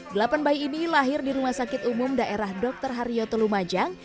delapan bayi ini lahir di rumah sakit umum daerah dr haryoto lumajang